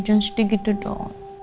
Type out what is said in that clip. jangan sedih gitu dong